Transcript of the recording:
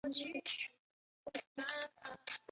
无论原始的或修改过的原始码都不能被重新散布。